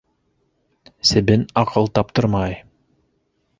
Себен аҡыл таптырмай...